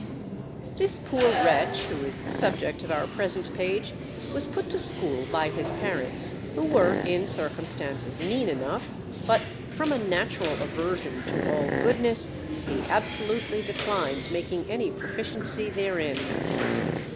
This poor wretch who is the subject of our present page was put to school by his parents, who were in circumstances mean enough; but from a natural aversion to all goodness he absolutely declined making any proficiency therein.